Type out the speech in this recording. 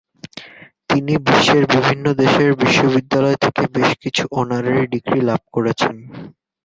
তিনি বিশ্বের বিভিন্ন দেশের বিশ্ববিদ্যালয় থেকে বেশকিছু অনারারি ডিগ্রী লাভ করেছেন।